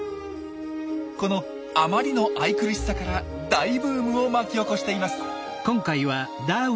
このあまりの愛くるしさから大ブームを巻き起こしています！